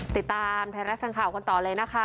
ติดตามไทยรัฐทางข่าวกันต่อเลยนะคะ